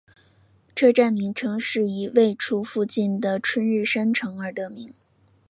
车站名称是以位处附近的春日山城而得名。